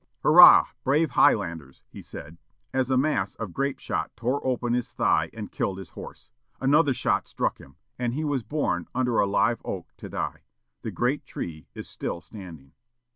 "Hurrah! brave Highlanders!" he said, as a mass of grape shot tore open his thigh and killed his horse. Another shot struck him, and he was borne under a live oak to die. The great tree is still standing.